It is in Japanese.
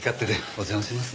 お邪魔しますね。